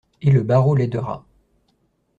Et le barreau l'aidera!